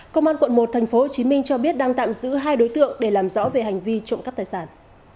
công an quận một tp hcm cho biết đang tạm giữ hai đối tượng để làm rõ về hành vi trộm cắp tài sản